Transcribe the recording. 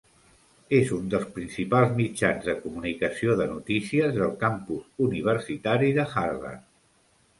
És un dels principals mitjans de comunicació de notícies del campus universitari de Harvard.